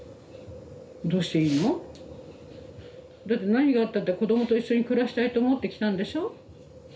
どうしていいの？だって何があったって子どもと一緒に暮らしたいと思って来たんでしょ？